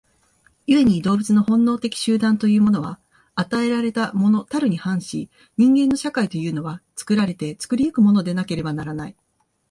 故に動物の本能的集団というものは与えられたものたるに反し、人間の社会というのは作られて作り行くものでなければならない。